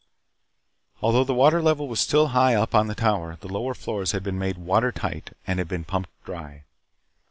Although the water level was still high up on the Tower, the lower floors had been made water tight and had been pumped dry.